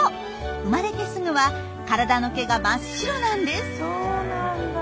生まれてすぐは体の毛が真っ白なんです。